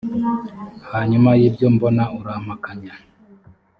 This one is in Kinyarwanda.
hanyuma y ibyo mbona urampakanya